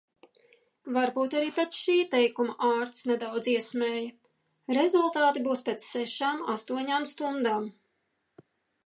Varbūt arī pēc šī teikuma ārsts nedaudz iesmēja. Rezultāti būs pēc sešām-astoņām stundām.